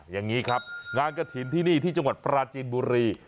อย่างนี้ครับงานกระถิ่นที่นี่ที่จังหวัดปราจีนบุรี